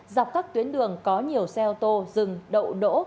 dọc các tuyến đường có nhiều xe ô tô dừng đậu đỗ